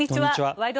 「ワイド！